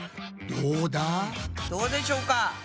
どうでしょうか？